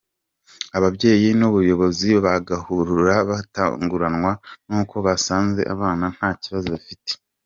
Ababyeyi n’ubuyobozi bagahurura bagatungurwa n’uko basanze abana nta Kibazo bafite.